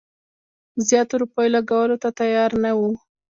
د زیاتو روپیو لګولو ته تیار نه وو.